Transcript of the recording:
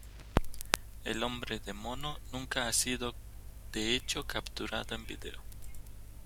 El hombre de mono nunca ha sido de hecho capturado en video.